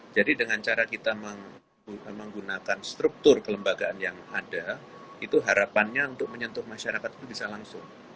jadi dengan cara kita menggunakan struktur kelembagaan yang ada itu harapannya untuk menyentuh masyarakat itu bisa langsung